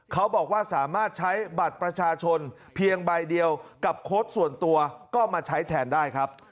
เขาบอกว่าสามารถใช้บัตรประชาชนเพียงใบเดียวกับโค้ดส่วนตัวก็มาใช้แทนได้ครับ